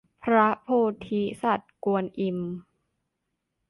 พระโพธิสัตว์กวนอิม